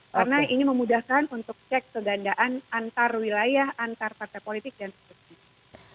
karena ini memudahkan untuk cek kegandaan antar wilayah antar partai politik dan sebagainya